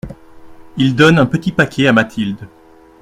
Il donne un petit paquet à Mathilde.